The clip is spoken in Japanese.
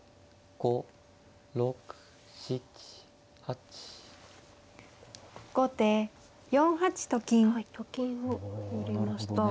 後手４八と金。と金を寄りました。